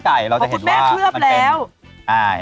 ได้แล้วเห็นไหมครับ